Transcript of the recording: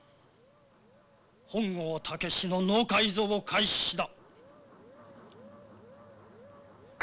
本郷猛の脳改造を開始だ。